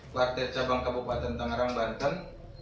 kuartir cabang kabupaten tanggerang banten